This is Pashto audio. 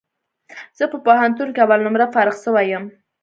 زه په پوهنتون کي اول نمره فارغ سوی یم